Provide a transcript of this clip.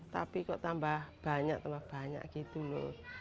tapi kok tambah banyak tambah banyak gitu loh